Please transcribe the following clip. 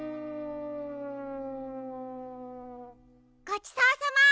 ごちそうさま！